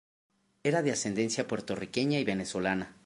Era de ascendencia puertorriqueña y venezolana.